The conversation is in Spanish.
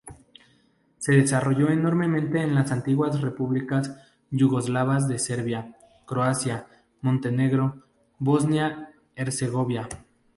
Se desarrolló enormemente en las antiguas repúblicas yugoslavas de Serbia, Croacia Montenegro y Bosnia-Hercegovina.